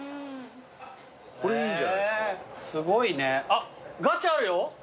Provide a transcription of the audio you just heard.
あっガチャあるよ。